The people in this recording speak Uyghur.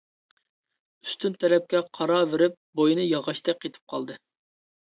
ئۈستۈن تەرەپكە قاراۋېرىپ بوينى ياغاچتەك قېتىپ قالدى.